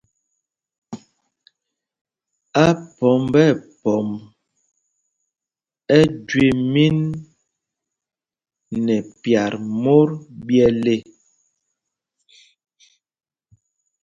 Aphɔmb nɛ phɔmb ɛ jüe mín nɛ pyat mot ɓyɛl ê.